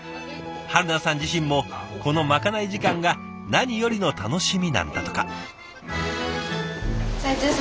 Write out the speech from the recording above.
春菜さん自身もこのまかない時間が何よりの楽しみなんだとか。